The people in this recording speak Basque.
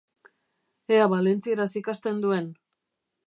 Ea valentzieraz ikasten duen!